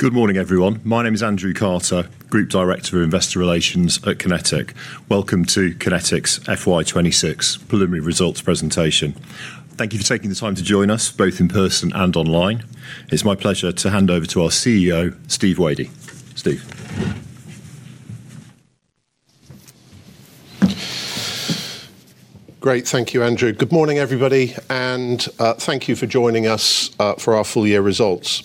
Good morning, everyone. My name is Andrew Carter, Group Director of Investor Relations at QinetiQ. Welcome to QinetiQ's FY 2026 preliminary results presentation. Thank you for taking the time to join us, both in person and online. It's my pleasure to hand over to our CEO, Steve Wadey. Steve? Great. Thank you, Andrew. Good morning, everybody, and thank you for joining us for our full-year results.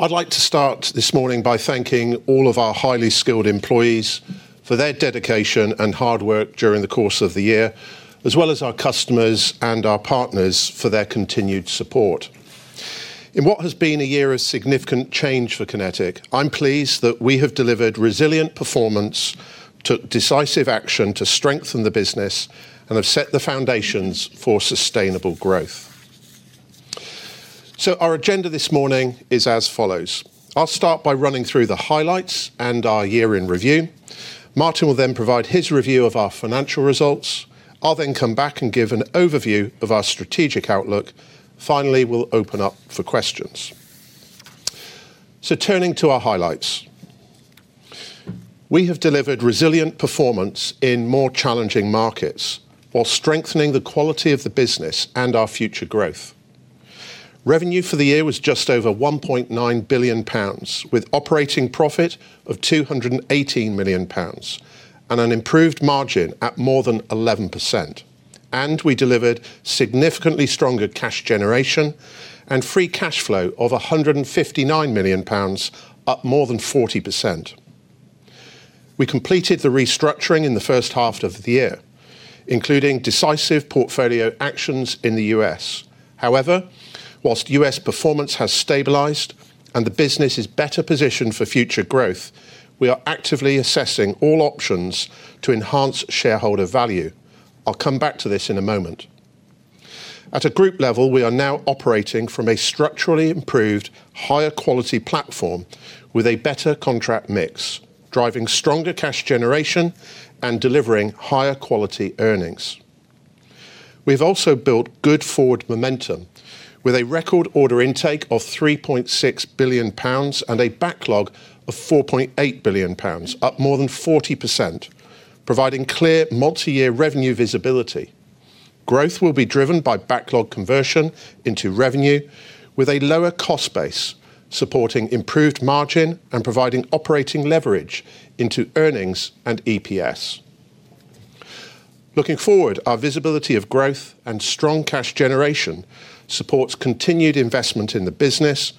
I'd like to start this morning by thanking all of our highly skilled employees for their dedication and hard work during the course of the year, as well as our customers and our partners for their continued support. In what has been a year of significant change for QinetiQ, I'm pleased that we have delivered resilient performance, took decisive action to strengthen the business, and have set the foundations for sustainable growth. Our agenda this morning is as follows. I'll start by running through the highlights and our year in review. Martin will provide his review of our financial results. I'll come back and give an overview of our strategic outlook. Finally, we'll open up for questions. Turning to our highlights. We have delivered resilient performance in more challenging markets while strengthening the quality of the business and our future growth. Revenue for the year was just over 1.9 billion pounds, with operating profit of 218 million pounds, and an improved margin at more than 11%. We delivered significantly stronger cash generation and free cash flow of 159 million pounds, up more than 40%. We completed the restructuring in the H1 of the year, including decisive portfolio actions in the U.S. However, whilst U.S. performance has stabilized and the business is better positioned for future growth, we are actively assessing all options to enhance shareholder value. I'll come back to this in a moment. At a group level, we are now operating from a structurally improved, higher quality platform with a better contract mix, driving stronger cash generation and delivering higher quality earnings. We've also built good forward momentum with a record order intake of 3.6 billion pounds and a backlog of 4.8 billion pounds, up more than 40%, providing clear multi-year revenue visibility. Growth will be driven by backlog conversion into revenue with a lower cost base, supporting improved margin and providing operating leverage into earnings and EPS. Looking forward, our visibility of growth and strong cash generation supports continued investment in the business,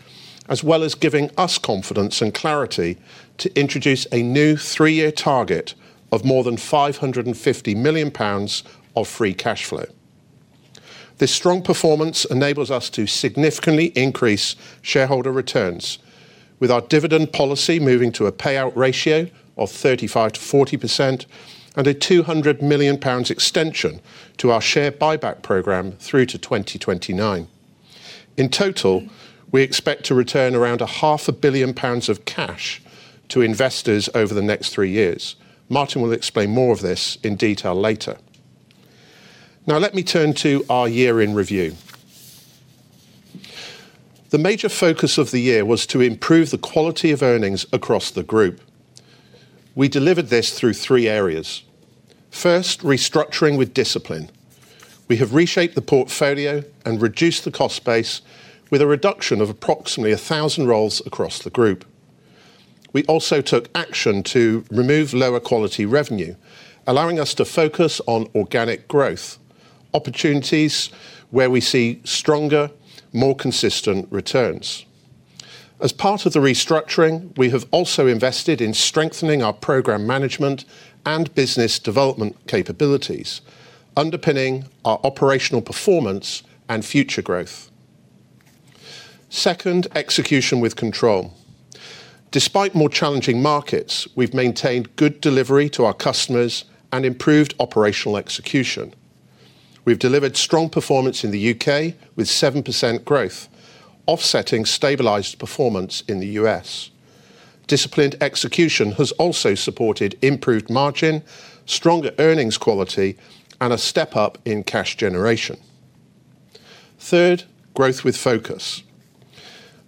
as well as giving us confidence and clarity to introduce a new three-year target of more than 550 million pounds of free cash flow. This strong performance enables us to significantly increase shareholder returns with our dividend policy moving to a payout ratio of 35%-40% and a 200 million pounds extension to our share buyback program through to 2029. In total, we expect to return around 500 million pounds of cash to investors over the next three years. Martin will explain more of this in detail later. Let me turn to our year in review. The major focus of the year was to improve the quality of earnings across the group. We delivered this through three areas. First, restructuring with discipline. We have reshaped the portfolio and reduced the cost base with a reduction of approximately 1,000 roles across the group. We also took action to remove lower quality revenue, allowing us to focus on organic growth, opportunities where we see stronger, more consistent returns. As part of the restructuring, we have also invested in strengthening our program management and business development capabilities, underpinning our operational performance and future growth. Second, execution with control. Despite more challenging markets, we've maintained good delivery to our customers and improved operational execution. We've delivered strong performance in the U.K. with 7% growth, offsetting stabilized performance in the U.S. Disciplined execution has also supported improved margin, stronger earnings quality, and a step up in cash generation. Third, growth with focus.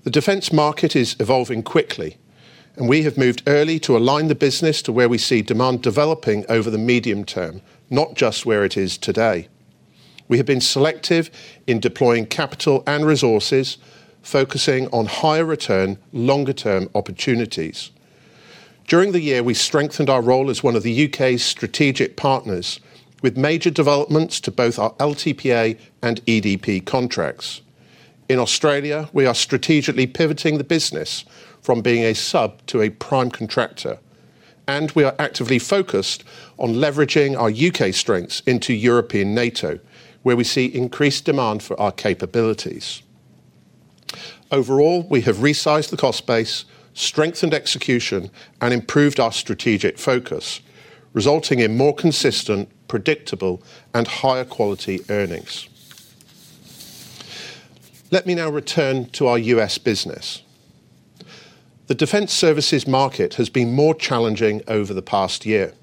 The defense market is evolving quickly, and we have moved early to align the business to where we see demand developing over the medium term, not just where it is today. We have been selective in deploying capital and resources, focusing on higher return, longer term opportunities. During the year, we strengthened our role as one of the U.K.'s strategic partners with major developments to both our LTPA and EDP contracts. In Australia, we are strategically pivoting the business from being a sub to a prime contractor, and we are actively focused on leveraging our U.K. strengths into European NATO, where we see increased demand for our capabilities. Overall, we have resized the cost base, strengthened execution, and improved our strategic focus, resulting in more consistent, predictable, and higher quality earnings. Let me now return to our U.S. business. The defense services market has been more challenging over the past year.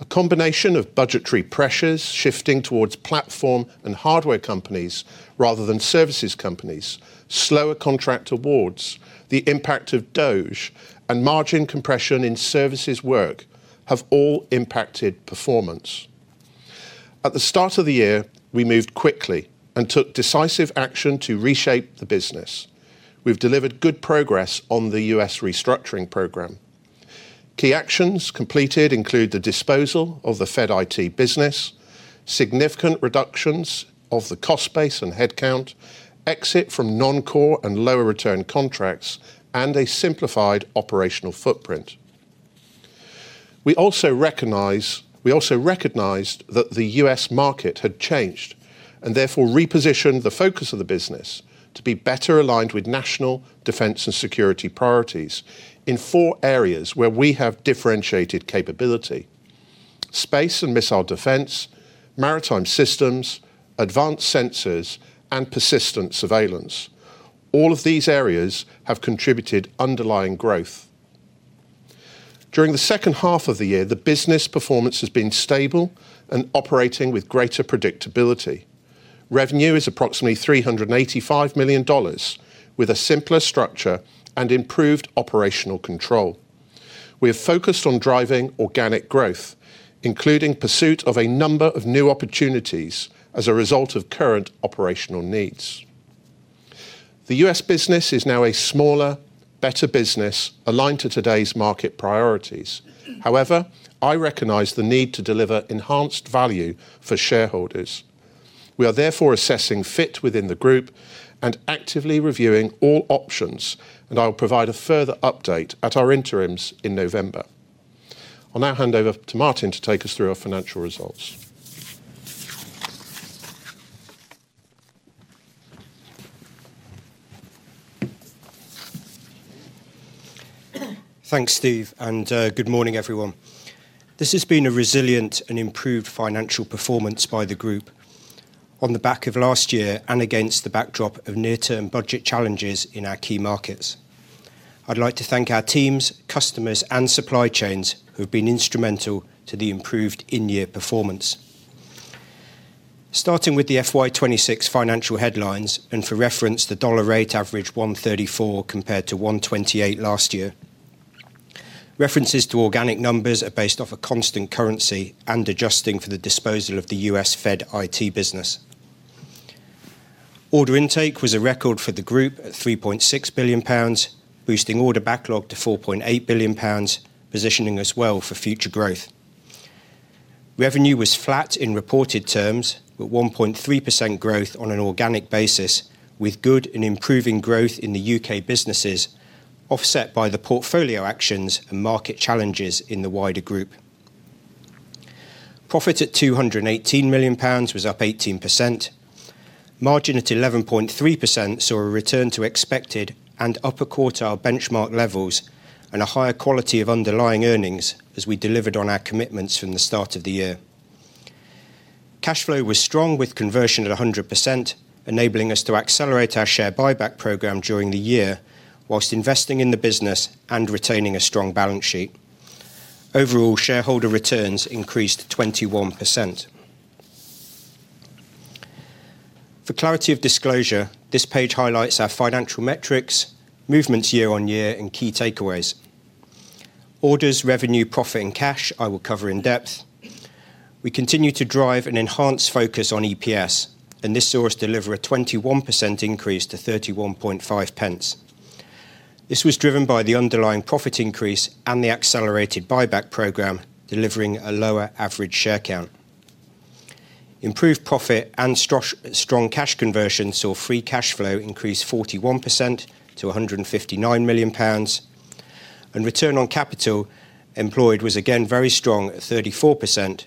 A combination of budgetary pressures shifting towards platform and hardware companies rather than services companies, slower contract awards, the impact of DOGE, and margin compression in services work have all impacted performance. At the start of the year, we moved quickly and took decisive action to reshape the business. We've delivered good progress on the U.S. restructuring program. Key actions completed include the disposal of the Fed IT business, significant reductions of the cost base and headcount, exit from non-core and lower return contracts, and a simplified operational footprint. We also recognized that the U.S. market had changed and therefore repositioned the focus of the business to be better aligned with national defense and security priorities in four areas where we have differentiated capability: space and missile defense, maritime systems, advanced sensors, and persistent surveillance. All of these areas have contributed underlying growth. During the H2 of the year, the business performance has been stable and operating with greater predictability. Revenue is approximately $385 million, with a simpler structure and improved operational control. We are focused on driving organic growth, including pursuit of a number of new opportunities as a result of current operational needs. The U.S. business is now a smaller, better business aligned to today's market priorities. However, I recognize the need to deliver enhanced value for shareholders. We are therefore assessing fit within the group and actively reviewing all options, and I'll provide a further update at our interims in November. I'll now hand over to Martin to take us through our financial results. Thanks, Steve. Good morning, everyone. This has been a resilient and improved financial performance by the group on the back of last year and against the backdrop of near-term budget challenges in our key markets. I'd like to thank our teams, customers, and supply chains who have been instrumental to the improved in-year performance. Starting with the FY 2026 financial headlines, and for reference, the dollar rate average 134 compared to 128 last year. References to organic numbers are based off a constant currency and adjusting for the disposal of the U.S. Federal IT Services business. Order intake was a record for the group at 3.6 billion pounds, boosting order backlog to 4.8 billion pounds, positioning us well for future growth. Revenue was flat in reported terms, with 1.3% growth on an organic basis, with good and improving growth in the U.K. businesses, offset by the portfolio actions and market challenges in the wider group. Profit at 218 million pounds was up 18%. Margin at 11.3% saw a return to expected and upper quartile benchmark levels, and a higher quality of underlying earnings as we delivered on our commitments from the start of the year. Cash flow was strong, with conversion at 100%, enabling us to accelerate our share buyback program during the year, while investing in the business and retaining a strong balance sheet. Overall, shareholder returns increased 21%. For clarity of disclosure, this page highlights our financial metrics, movements year-over-year, and key takeaways. Orders, revenue, profit, and cash I will cover in depth. We continue to drive an enhanced focus on EPS. This saw us deliver a 21% increase to 0.315. This was driven by the underlying profit increase and the accelerated buyback program, delivering a lower average share count. Improved profit and strong cash conversion saw free cash flow increase 41% to 159 million pounds. Return on capital employed was again very strong at 34%,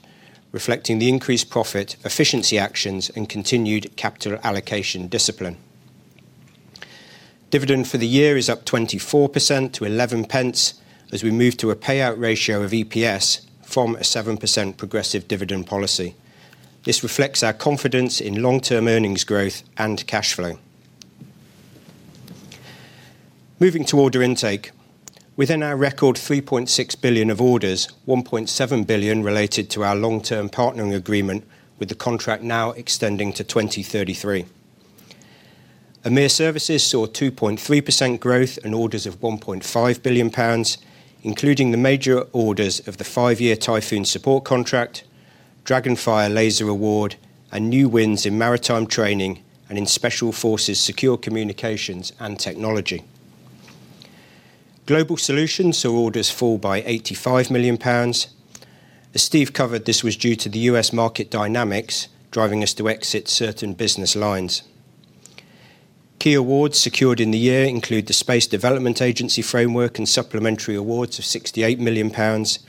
reflecting the increased profit efficiency actions and continued capital allocation discipline. Dividend for the year is up 24% to 0.11 as we move to a payout ratio of EPS from a 7% progressive dividend policy. This reflects our confidence in long-term earnings growth and cash flow. Moving to order intake. Within our record 3.6 billion of orders, 1.7 billion related to our Long-Term Partnering Agreement with the contract now extending to 2033. EMEA Services saw 2.3% growth and orders of 1.5 billion pounds, including the major orders of the five-year Typhoon support contract, DragonFire laser award, and new wins in maritime training and in Special Forces secure communications and technology. Global Solutions saw orders fall by 85 million pounds. As Steve covered, this was due to the U.S. market dynamics driving us to exit certain business lines. Key awards secured in the year include the Space Development Agency framework and supplementary awards of 68 million pounds,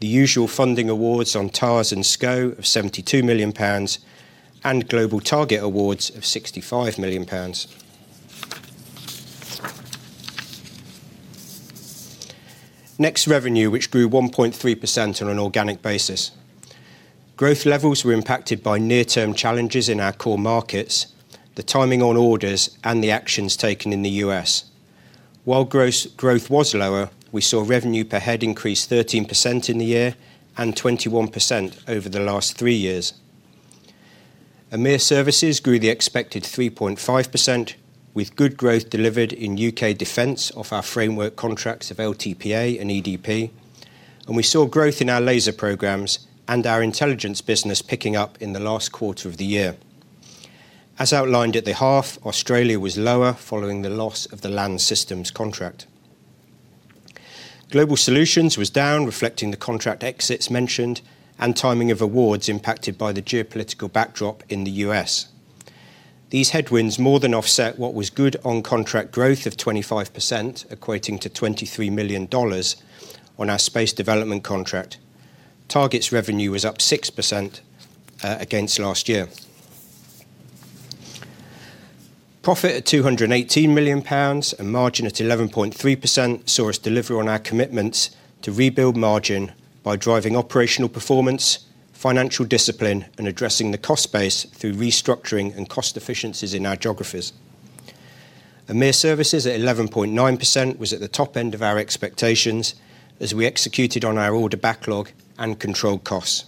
the usual funding awards on TARS and SCO of 72 million pounds, and global target awards of 65 million pounds. Next, revenue, which grew 1.3% on an organic basis. Growth levels were impacted by near-term challenges in our core markets, the timing on orders, and the actions taken in the U.S. While growth was lower, we saw revenue per head increase 13% in the year and 21% over the last three years. EMEA Services grew the expected 3.5% with good growth delivered in U.K. defense of our framework contracts of LTPA and EDP. We saw growth in our laser programs and our intelligence business picking up in the last quarter of the year. As outlined at the half, Australia was lower following the loss of the Land Systems contract. Global Solutions was down, reflecting the contract exits mentioned and timing of awards impacted by the geopolitical backdrop in the U.S. These headwinds more than offset what was good on contract growth of 25%, equating to $23 million on our space development contract. TARS revenue was up 6% against last year. Profit at 218 million pounds, and margin at 11.3% saw us deliver on our commitments to rebuild margin by driving operational performance, financial discipline, and addressing the cost base through restructuring and cost efficiencies in our geographies. EMEA Services at 11.9% was at the top end of our expectations as we executed on our order backlog and controlled costs.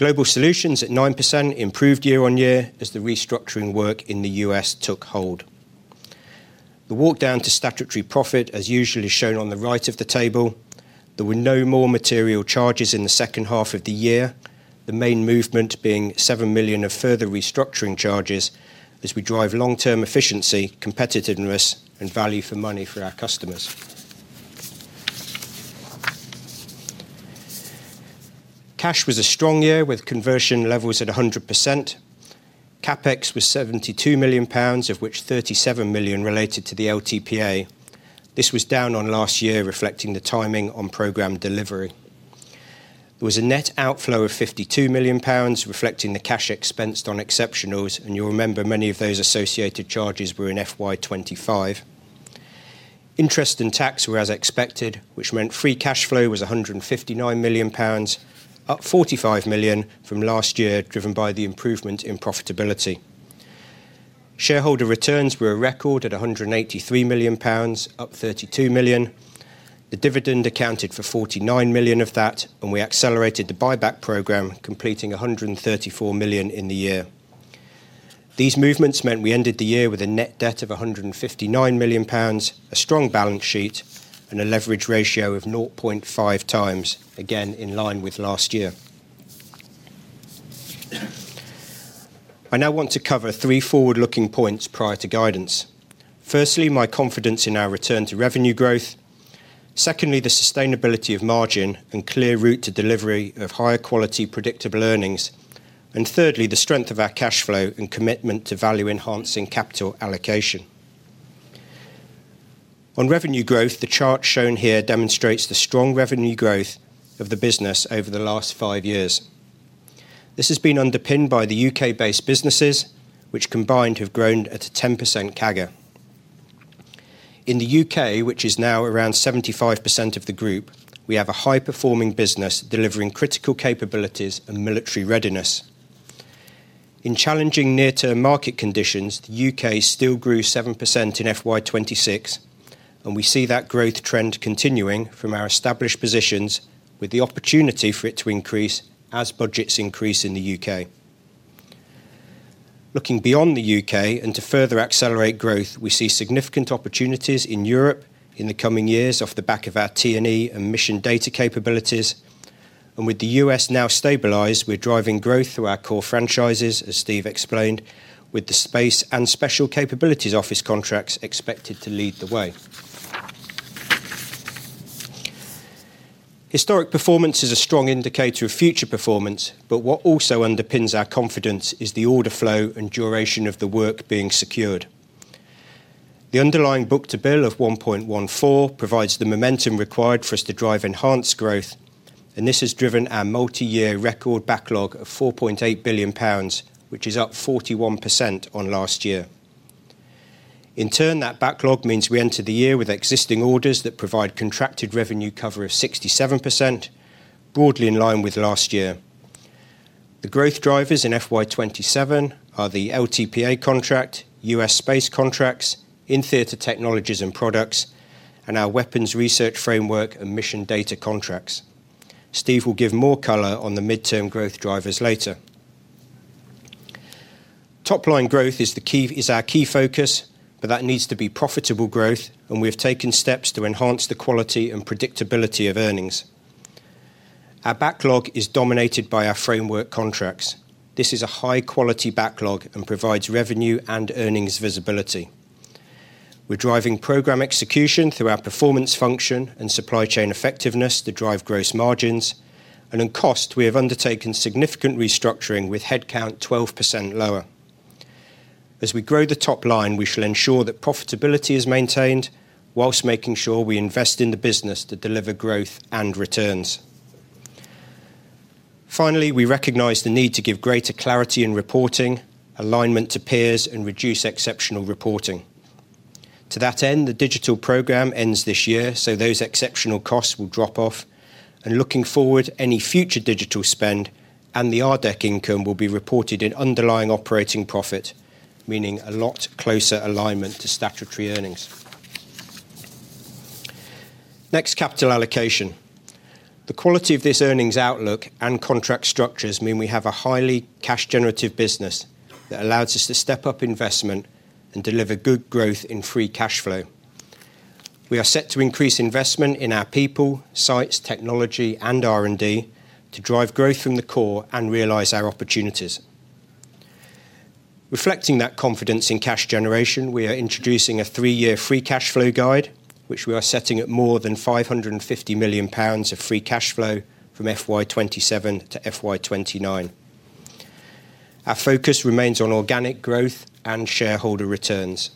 Global Solutions at 9% improved year-on-year as the restructuring work in the U.S. took hold. The walk down to statutory profit, as usually shown on the right of the table, there were no more material charges in the H2 of the year, the main movement being 7 million of further restructuring charges as we drive long-term efficiency, competitiveness, and value for money for our customers. Cash was a strong year with conversion levels at 100%. CapEx was 72 million pounds, of which 37 million related to the LTPA. This was down on last year, reflecting the timing on program delivery. There was a net outflow of 52 million pounds, reflecting the cash expensed on exceptionals, and you'll remember many of those associated charges were in FY 2025. Interest and tax were as expected, which meant free cash flow was 159 million pounds, up 45 million from last year, driven by the improvement in profitability. Shareholder returns were a record at 183 million pounds, up 32 million. The dividend accounted for 49 million of that. We accelerated the buyback program, completing 134 million in the year. These movements meant we ended the year with a net debt of 159 million pounds, a strong balance sheet, and a leverage ratio of 0.5x, again, in line with last year. I now want to cover three forward-looking points prior to guidance. Firstly, my confidence in our return to revenue growth. Secondly, the sustainability of margin and clear route to delivery of higher quality predictable earnings. Thirdly, the strength of our cash flow and commitment to value-enhancing capital allocation. On revenue growth, the chart shown here demonstrates the strong revenue growth of the business over the last five years. This has been underpinned by the U.K.-based businesses, which combined have grown at a 10% CAGR. In the U.K., which is now around 75% of the group, we have a high-performing business delivering critical capabilities and military readiness. In challenging near-term market conditions, the U.K. still grew 7% in FY 2026, and we see that growth trend continuing from our established positions with the opportunity for it to increase as budgets increase in the U.K. Looking beyond the U.K. and to further accelerate growth, we see significant opportunities in Europe in the coming years off the back of our T&E and mission data capabilities. With the U.S. now stabilized, we're driving growth through our core franchises, as Steve explained, with the Space and Special Capabilities Office contracts expected to lead the way. Historic performance is a strong indicator of future performance, but what also underpins our confidence is the order flow and duration of the work being secured. The underlying book to bill of 1.14 provides the momentum required for us to drive enhanced growth, and this has driven our multiyear record backlog of 4.8 billion pounds, which is up 41% on last year. In turn, that backlog means we enter the year with existing orders that provide contracted revenue cover of 67%, broadly in line with last year. The growth drivers in FY 2027 are the LTPA contract, U.S. space contracts, in-theater technologies and products, and our weapons research framework and mission data contracts. Steve will give more color on the midterm growth drivers later. Top-line growth is our key focus, but that needs to be profitable growth, and we have taken steps to enhance the quality and predictability of earnings. Our backlog is dominated by our framework contracts. This is a high-quality backlog and provides revenue and earnings visibility. We're driving program execution through our performance function and supply chain effectiveness to drive gross margins. In cost, we have undertaken significant restructuring with headcount 12% lower. As we grow the top line, we shall ensure that profitability is maintained whilst making sure we invest in the business to deliver growth and returns. Finally, we recognize the need to give greater clarity in reporting, alignment to peers, and reduce exceptional reporting. To that end, the digital program ends this year, so those exceptional costs will drop off. Looking forward, any future digital spend and the RDEC income will be reported in underlying operating profit, meaning a lot closer alignment to statutory earnings. Next, capital allocation. The quality of this earnings outlook and contract structures mean we have a highly cash-generative business that allows us to step up investment and deliver good growth in free cash flow. We are set to increase investment in our people, sites, technology and R&D to drive growth from the core and realize our opportunities. Reflecting that confidence in cash generation, we are introducing a three-year free cash flow guide, which we are setting at more than 550 million pounds of free cash flow from FY 2027 to FY 2029. Our focus remains on organic growth and shareholder returns.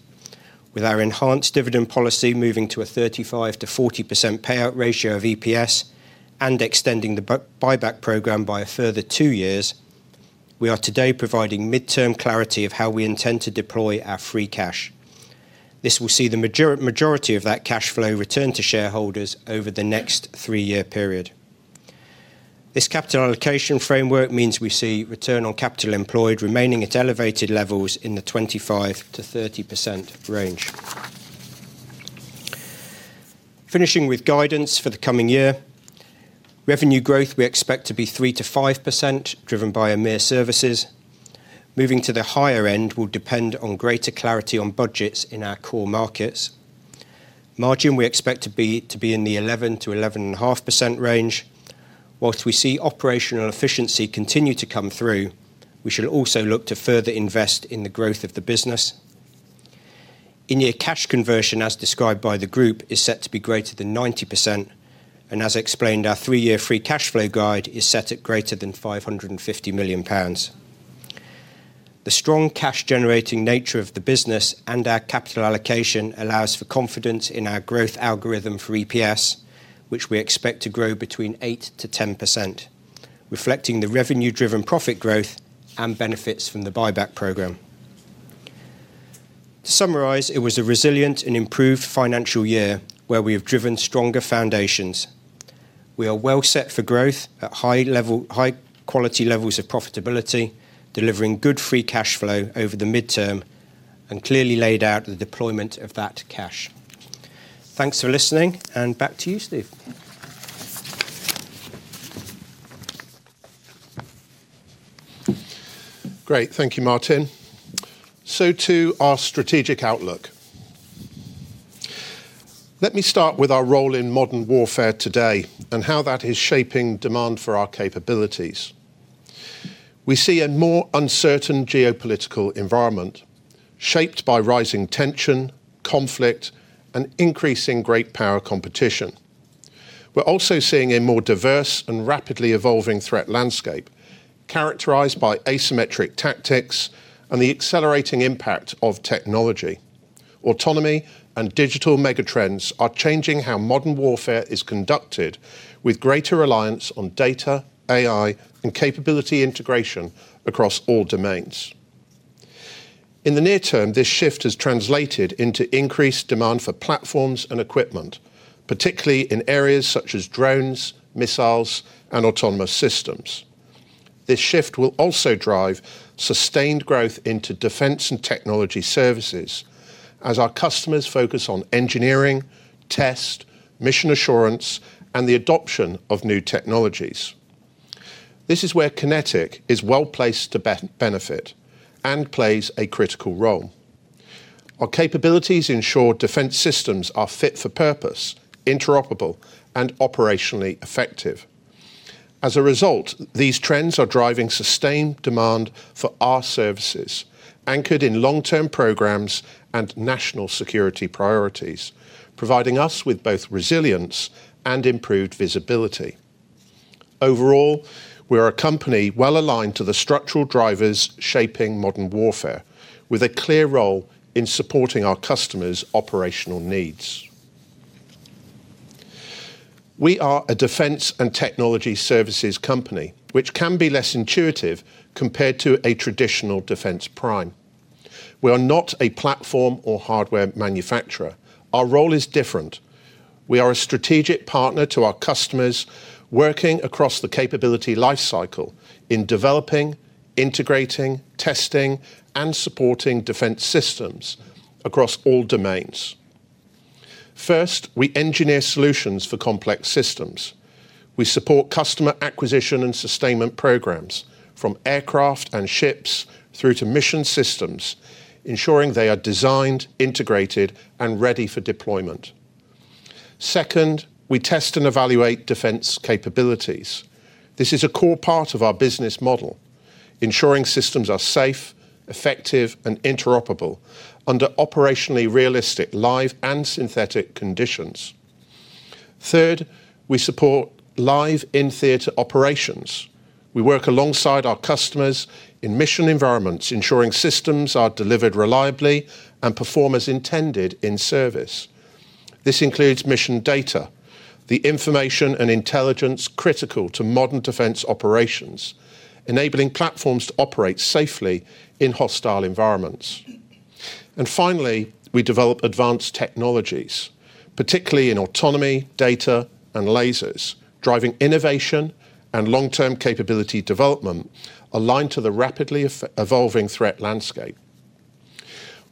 With our enhanced dividend policy moving to a 35%-40% payout ratio of EPS and extending the buyback program by a further two years, we are today providing midterm clarity of how we intend to deploy our free cash. This will see the majority of that cash flow return to shareholders over the next three-year period. This capital allocation framework means we see return on capital employed remaining at elevated levels in the 25%-30% range. Finishing with guidance for the coming year. Revenue growth we expect to be 3%-5%, driven by EMEA Services. Moving to the higher end will depend on greater clarity on budgets in our core markets. Margin we expect to be in the 11%-11.5% range. Whilst we see operational efficiency continue to come through, we shall also look to further invest in the growth of the business. In-year cash conversion, as described by the group, is set to be greater than 90%. As explained, our three-year free cash flow guide is set at greater than 550 million pounds. The strong cash-generating nature of the business and our capital allocation allows for confidence in our growth algorithm for EPS, which we expect to grow between 8%-10%, reflecting the revenue-driven profit growth and benefits from the buyback program. To summarize, it was a resilient and improved financial year where we have driven stronger foundations. We are well set for growth at high-quality levels of profitability, delivering good free cash flow over the midterm and clearly laid out the deployment of that cash. Thanks for listening, and back to you, Steve. Great. Thank you, Martin. To our strategic outlook. Let me start with our role in modern warfare today and how that is shaping demand for our capabilities. We see a more uncertain geopolitical environment shaped by rising tension, conflict, and increasing great power competition. We're also seeing a more diverse and rapidly evolving threat landscape characterized by asymmetric tactics and the accelerating impact of technology. Autonomy and digital megatrends are changing how modern warfare is conducted, with greater reliance on data, AI, and capability integration across all domains. In the near term, this shift has translated into increased demand for platforms and equipment, particularly in areas such as drones, missiles, and autonomous systems. This shift will also drive sustained growth into defense and technology services as our customers focus on engineering, test, mission assurance, and the adoption of new technologies. This is where QinetiQ is well-placed to benefit and plays a critical role. Our capabilities ensure defence systems are fit for purpose, interoperable, and operationally effective. As a result, these trends are driving sustained demand for our services, anchored in long-term programs and national security priorities, providing us with both resilience and improved visibility. Overall, we are a company well-aligned to the structural drivers shaping modern warfare, with a clear role in supporting our customers' operational needs. We are a defence and technology services company, which can be less intuitive compared to a traditional defence prime. We are not a platform or hardware manufacturer. Our role is different. We are a strategic partner to our customers, working across the capability lifecycle in developing, integrating, testing, and supporting defence systems across all domains. First, we engineer solutions for complex systems. We support customer acquisition and sustainment programs from aircraft and ships through to mission systems, ensuring they are designed, integrated, and ready for deployment. Second, we test and evaluate defense capabilities. This is a core part of our business model, ensuring systems are safe, effective, and interoperable under operationally realistic live and synthetic conditions. Third, we support live in-theater operations. We work alongside our customers in mission environments, ensuring systems are delivered reliably and perform as intended in service. This includes mission data, the information and intelligence critical to modern defense operations, enabling platforms to operate safely in hostile environments. Finally, we develop advanced technologies, particularly in autonomy, data, and lasers, driving innovation and long-term capability development aligned to the rapidly evolving threat landscape.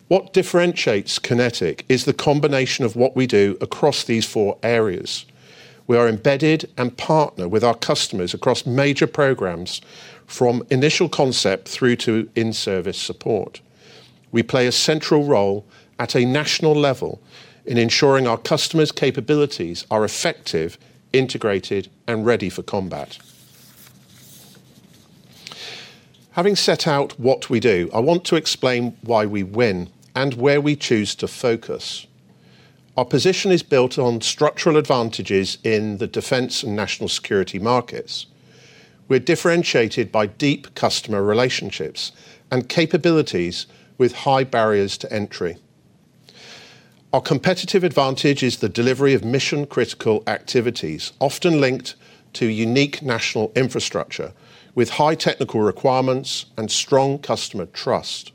What differentiates QinetiQ is the combination of what we do across these four areas. We are embedded and partner with our customers across major programs from initial concept through to in-service support. We play a central role at a national level in ensuring our customers' capabilities are effective, integrated, and ready for combat. Having set out what we do, I want to explain why we win and where we choose to focus. Our position is built on structural advantages in the defense and national security markets. We're differentiated by deep customer relationships and capabilities with high barriers to entry. Our competitive advantage is the delivery of mission-critical activities, often linked to unique national infrastructure with high technical requirements and strong customer trust.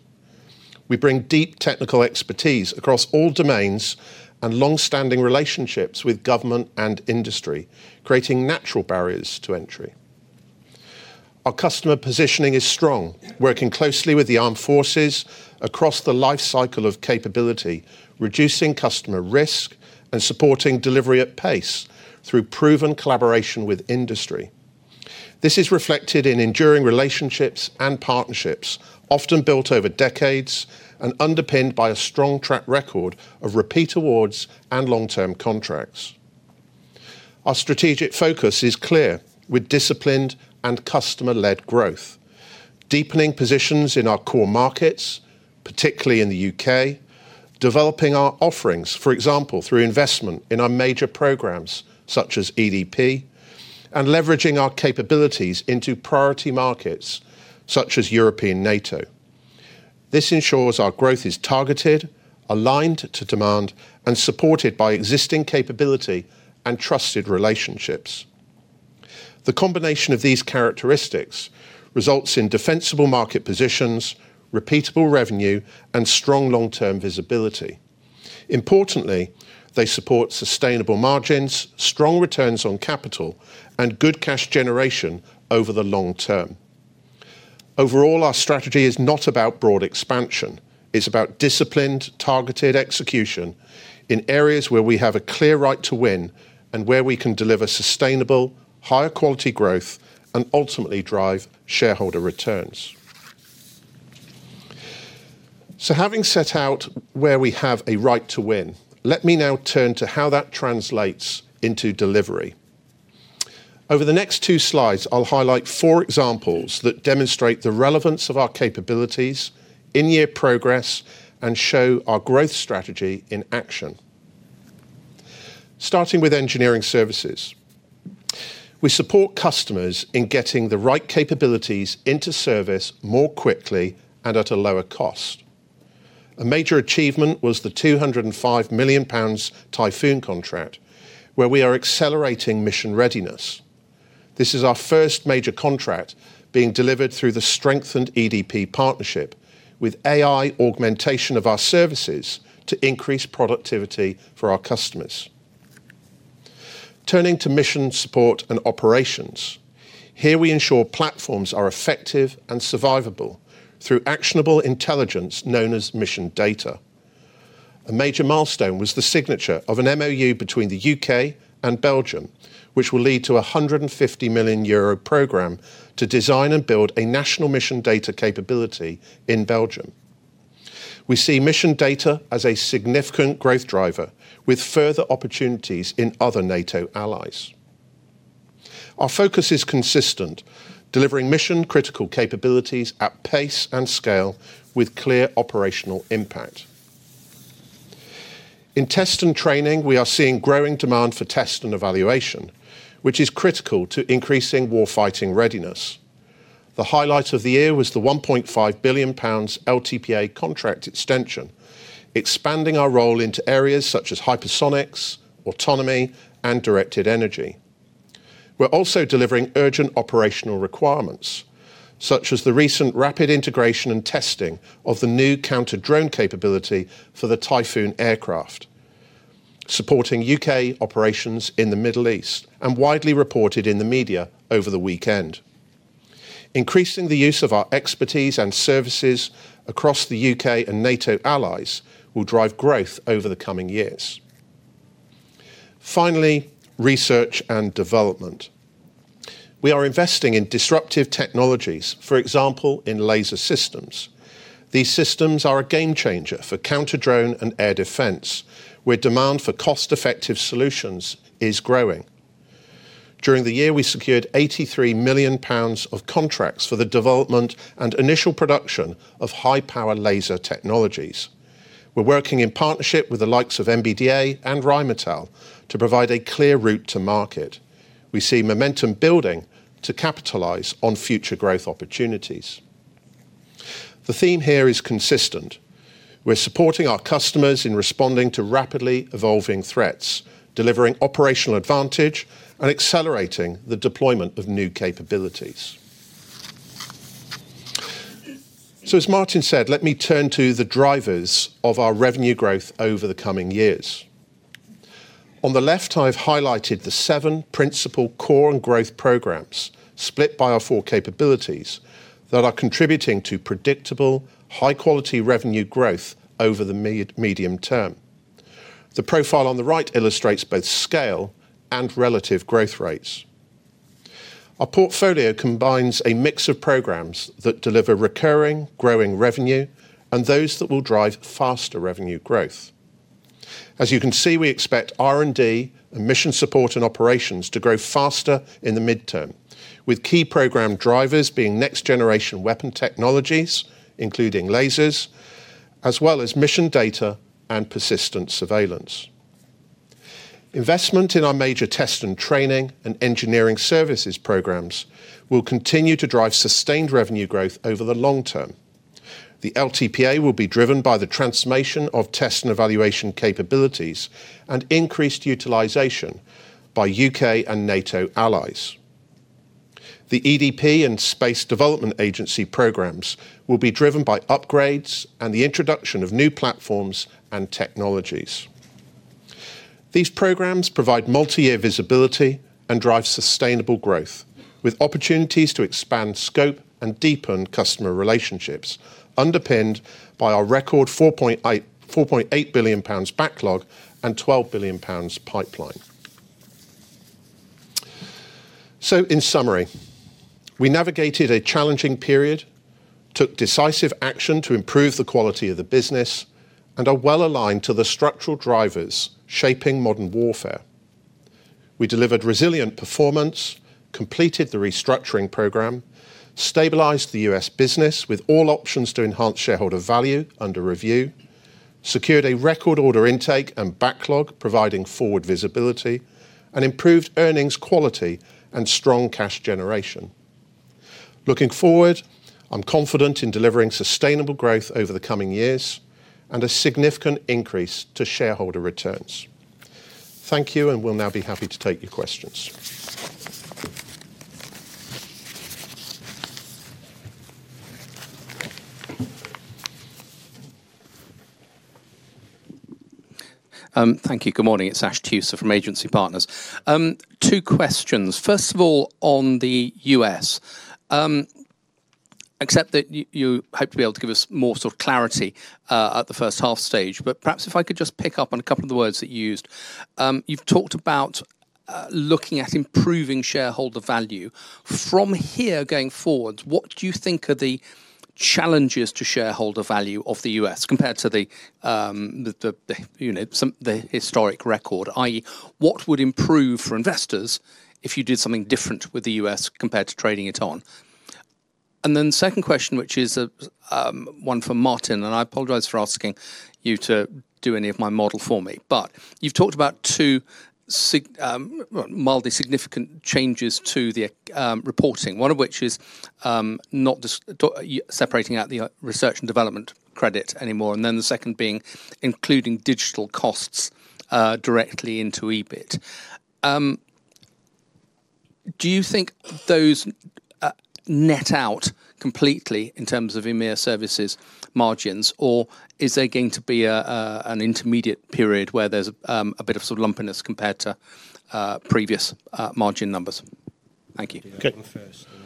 We bring deep technical expertise across all domains and longstanding relationships with government and industry, creating natural barriers to entry. Our customer positioning is strong, working closely with the armed forces across the life cycle of capability, reducing customer risk, and supporting delivery at pace through proven collaboration with industry. This is reflected in enduring relationships and partnerships, often built over decades and underpinned by a strong track record of repeat awards and long-term contracts. Our strategic focus is clear, with disciplined and customer-led growth, deepening positions in our core markets, particularly in the U.K. Developing our offerings, for example, through investment in our major programs such as EDP, and leveraging our capabilities into priority markets such as European NATO. This ensures our growth is targeted, aligned to demand, and supported by existing capability and trusted relationships. The combination of these characteristics results in defensible market positions, repeatable revenue, and strong long-term visibility. Importantly, they support sustainable margins, strong returns on capital, and good cash generation over the long term. Overall, our strategy is not about broad expansion. It's about disciplined, targeted execution in areas where we have a clear right to win and where we can deliver sustainable, higher quality growth, and ultimately drive shareholder returns. Having set out where we have a right to win, let me now turn to how that translates into delivery. Over the next two slides, I'll highlight four examples that demonstrate the relevance of our capabilities, in-year progress, and show our growth strategy in action. Starting with engineering services. We support customers in getting the right capabilities into service more quickly and at a lower cost. A major achievement was the 205 million pounds Typhoon contract, where we are accelerating mission readiness. This is our first major contract being delivered through the strengthened EDP partnership with AI augmentation of our services to increase productivity for our customers. Turning to mission support and operations. Here we ensure platforms are effective and survivable through actionable intelligence known as mission data. A major milestone was the signature of an MoU between the U.K. and Belgium, which will lead to a 150 million euro program to design and build a national mission data capability in Belgium. We see mission data as a significant growth driver with further opportunities in other NATO allies. Our focus is consistent, delivering mission-critical capabilities at pace and scale with clear operational impact. In test and training, we are seeing growing demand for test and evaluation, which is critical to increasing warfighting readiness. The highlight of the year was the 1.5 billion pounds LTPA contract extension, expanding our role into areas such as hypersonics, autonomy, and directed energy. We're also delivering urgent operational requirements, such as the recent rapid integration and testing of the new counter-drone capability for the Typhoon aircraft, supporting U.K. operations in the Middle East, and widely reported in the media over the weekend. Increasing the use of our expertise and services across the U.K. and NATO allies will drive growth over the coming years. Finally, research and development. We are investing in disruptive technologies, for example, in laser systems. These systems are a game changer for counter-drone and air defense, where demand for cost-effective solutions is growing. During the year, we secured 83 million pounds of contracts for the development and initial production of high-power laser technologies. We're working in partnership with the likes of MBDA and Rheinmetall to provide a clear route to market. We see momentum building to capitalize on future growth opportunities. The theme here is consistent. We're supporting our customers in responding to rapidly evolving threats, delivering operational advantage, and accelerating the deployment of new capabilities. As Martin said, let me turn to the drivers of our revenue growth over the coming years. On the left, I've highlighted the seven principal core and growth programs, split by our four capabilities, that are contributing to predictable, high-quality revenue growth over the medium term. The profile on the right illustrates both scale and relative growth rates. Our portfolio combines a mix of programs that deliver recurring growing revenue and those that will drive faster revenue growth. As you can see, we expect R&D and mission support and operations to grow faster in the midterm, with key program drivers being next-generation weapon technologies, including lasers, as well as mission data and persistent surveillance. Investment in our major test and training and engineering services programs will continue to drive sustained revenue growth over the long term. The LTPA will be driven by the transformation of test and evaluation capabilities and increased utilization by U.K. and NATO allies. The EDP and Space Development Agency programs will be driven by upgrades and the introduction of new platforms and technologies. These programs provide multi-year visibility and drive sustainable growth, with opportunities to expand scope and deepen customer relationships, underpinned by our record 4.8 billion pounds backlog and 12 billion pounds pipeline. In summary, we navigated a challenging period, took decisive action to improve the quality of the business, and are well-aligned to the structural drivers shaping modern warfare. We delivered resilient performance, completed the restructuring program, stabilized the U.S. business with all options to enhance shareholder value under review, secured a record order intake and backlog, providing forward visibility, and improved earnings quality and strong cash generation. Looking forward, I'm confident in delivering sustainable growth over the coming years and a significant increase to shareholder returns. Thank you. We'll now be happy to take your questions. Thank you. Good morning. It is Sash Tusa from Agency Partners. Two questions. First of all, on the U.S., except that you hope to be able to give us more sort of clarity at the H1 stage, but perhaps if I could just pick up on a couple of the words that you used. You have talked about looking at improving shareholder value. From here going forward, what do you think are the challenges to shareholder value of the U.S. compared to the historic record, i.e., what would improve for investors if you did something different with the U.S. compared to trading it on? Second question, which is one for Martin, and I apologize for asking you to do any of my model for me. You've talked about two mildly significant changes to the reporting, one of which is not separating out the research and development credit anymore, and the second being including digital costs directly into EBIT. Do you think those net out completely in terms of EMEA Services margins, or is there going to be an intermediate period where there's a bit of sort of lumpiness compared to previous margin numbers? Thank you. Okay. Do you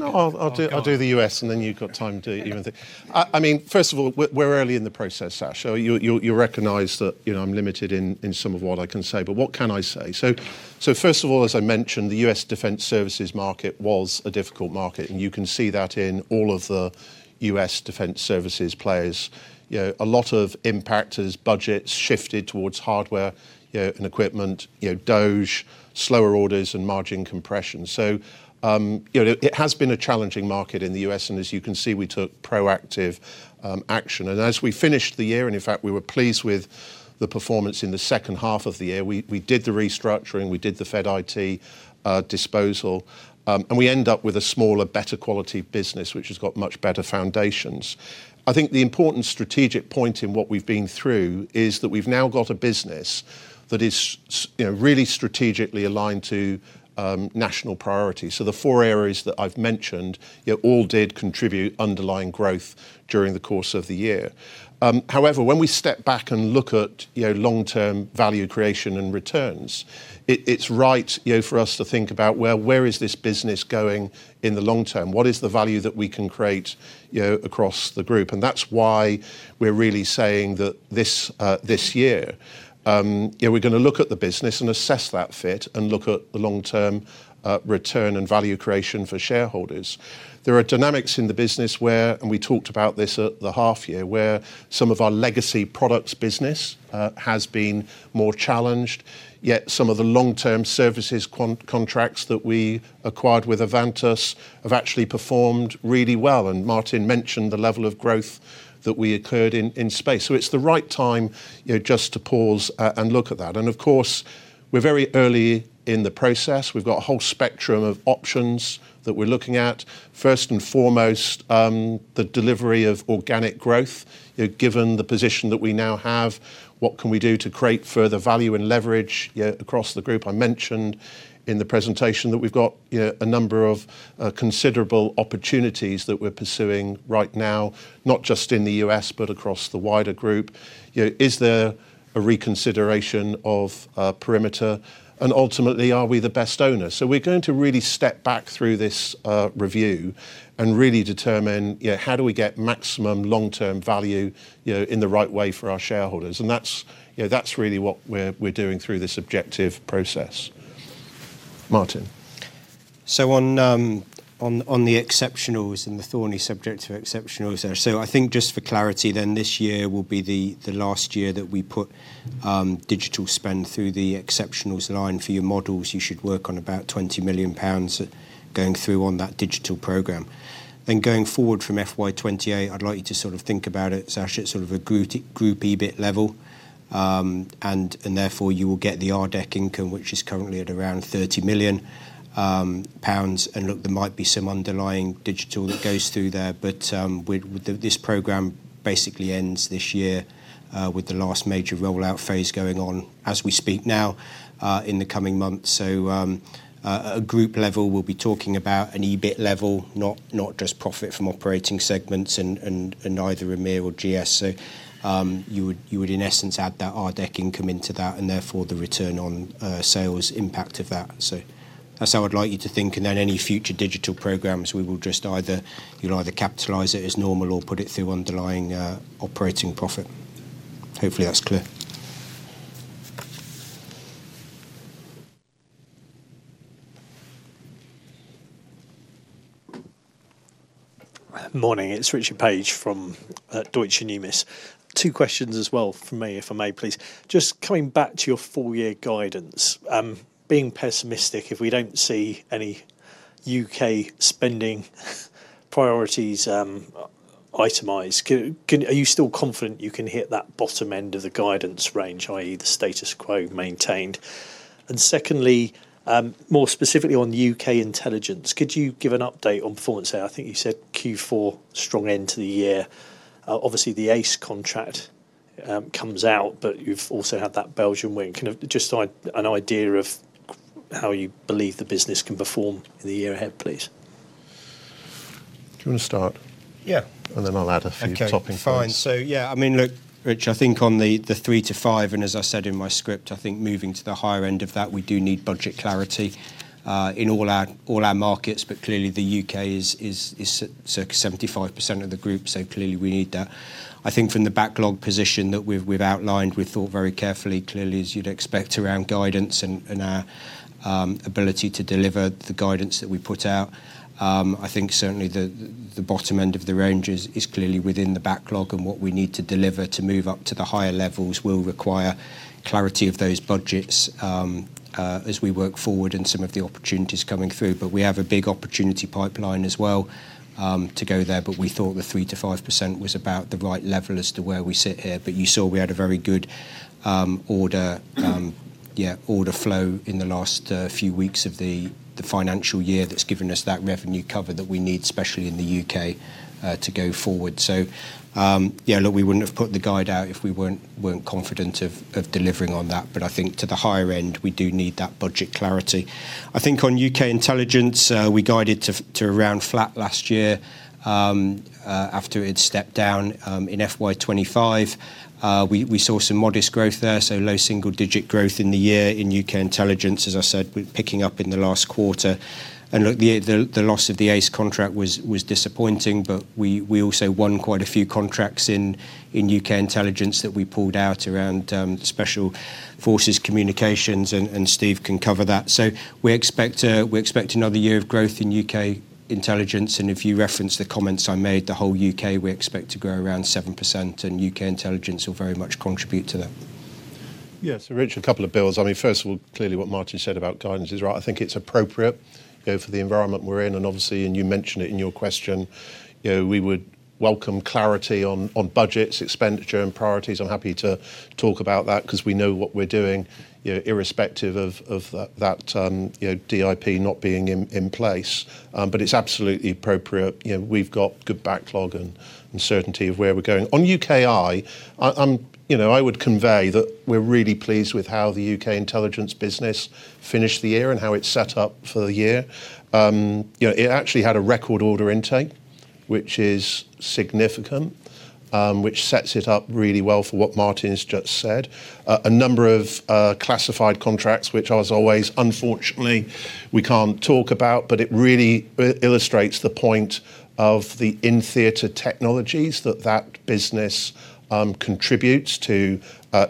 want to go first? No, I'll do the U.S., and then you've got time to do your thing. First of all, we're early in the process, Sash. You'll recognize that I'm limited in some of what I can say. What can I say? First of all, as I mentioned, the U.S. defense services market was a difficult market. You can see that in all of the U.S. defense services players. A lot of impact as budgets shifted towards hardware and equipment, DOGE, slower orders, and margin compression. It has been a challenging market in the U.S. As you can see, we took proactive action. As we finished the year, and in fact, we were pleased with the performance in the H2 of the year. We did the restructuring, we did the Fed IT disposal, we end up with a smaller, better quality business, which has got much better foundations. I think the important strategic point in what we've been through is that we've now got a business that is really strategically aligned to national priorities. The four areas that I've mentioned all did contribute underlying growth during the course of the year. When we step back and look at long-term value creation and returns, it's right for us to think about, well, where is this business going in the long term? What is the value that we can create across the group? That's why we're really saying that this year, we're going to look at the business and assess that fit and look at the long-term return and value creation for shareholders. There are dynamics in the business where, and we talked about this at the half year, where some of our legacy products business has been more challenged, yet some of the long-term services contracts that we acquired with Avantus have actually performed really well. Martin mentioned the level of growth that we occurred in space. It's the right time just to pause and look at that. Of course, we're very early in the process. We've got a whole spectrum of options that we're looking at. First and foremost, the delivery of organic growth. Given the position that we now have, what can we do to create further value and leverage across the group? I mentioned in the presentation that we've got a number of considerable opportunities that we're pursuing right now, not just in the U.S., but across the wider group. Is there a reconsideration of perimeter? Ultimately, are we the best owner? We're going to really step back through this review and really determine how do we get maximum long-term value in the right way for our shareholders. That's really what we're doing through this objective process. Martin On the exceptionals and the thorny subject of exceptionals. This year will be the last year that we put digital spend through the exceptionals line. For your models, you should work on about 20 million pounds going through on that digital program. Going forward from FY 2028, I'd like you to think about it, Sash, at sort of a group EBIT level. Therefore you will get the RDEC income, which is currently at around 30 million pounds. Look, there might be some underlying digital that goes through there. This program basically ends this year, with the last major rollout phase going on as we speak now, in the coming months. At a group level, we'll be talking about an EBIT level, not just profit from operating segments and neither EMEA or GS. You would in essence add that RDEC income into that and therefore the return on sales impact of that. That's how I'd like you to think. Then any future digital programs, you'll either capitalize it as normal or put it through underlying operating profit. Hopefully, that's clear. Morning. It is Richard Paige from Deutsche Numis. Two questions as well from me, if I may, please. Coming back to your full-year guidance, being pessimistic, if we do not see any U.K. spending priorities itemized, are you still confident you can hit that bottom end of the guidance range, i.e., the status quo maintained? Secondly, more specifically on U.K. Intelligence, could you give an update on performance there? I think you said Q4, strong end to the year. Obviously, the ACE contract comes out, but you have also had that Belgium win. Can just an idea of how you believe the business can perform in the year ahead, please? Do you want to start? Yeah. I'll add a few topping points. Okay, fine. Yeah, look, Rich, I think on the three to five, and as I said in my script, I think moving to the higher end of that, we do need budget clarity, in all our markets, but clearly the U.K. is circa 75% of the group, clearly we need that. I think from the backlog position that we've outlined, we've thought very carefully, clearly as you'd expect, around guidance and our ability to deliver the guidance that we put out. I think certainly the bottom end of the range is clearly within the backlog, and what we need to deliver to move up to the higher levels will require clarity of those budgets as we work forward and some of the opportunities coming through. We have a big opportunity pipeline as well to go there, we thought the 3%-5% was about the right level as to where we sit here. You saw we had a very good order flow in the last few weeks of the financial year that’s given us that revenue cover that we need, especially in the U.K., to go forward. Yeah, look, we wouldn’t have put the guide out if we weren’t confident of delivering on that. I think to the higher end, we do need that budget clarity. I think on U.K. Intelligence, we guided to around flat last year, after it had stepped down, in FY 2025. We saw some modest growth there, so low single-digit growth in the year in U.K. Intelligence, as I said, picking up in the last quarter. Look, the loss of the ACE contract was disappointing, but we also won quite a few contracts in U.K. Intelligence that we pulled out around Special Forces communications, and Steve can cover that. We expect another year of growth in U.K. Intelligence, and if you reference the comments I made, the whole U.K. we expect to grow around 7%, and U.K. Intelligence will very much contribute to that. Yeah. Rich, a couple of bills. First of all, clearly what Martin said about guidance is right. I think it's appropriate for the environment we're in, and obviously, and you mentioned it in your question, we would welcome clarity on budgets, expenditure, and priorities. I'm happy to talk about that because we know what we're doing irrespective of that DIP not being in place. It's absolutely appropriate. We've got good backlog and certainty of where we're going. On UKI, I would convey that we're really pleased with how the U.K. Intelligence business finished the year and how it's set up for the year. It actually had a record order intake, which is significant, which sets it up really well for what Martin has just said. A number of classified contracts, which as always, unfortunately, we can't talk about, but it really illustrates the point of the in-theater technologies that business contributes to